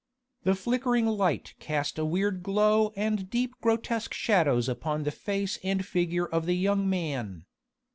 The flickering light cast a weird glow and deep grotesque shadows upon the face and figure of the young man.